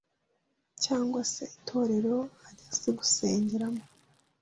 cyangwa se itorero, ajyas gusengeramo